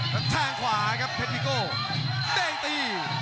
และแทงขวาครับเผ็ดวิโกเด้งตี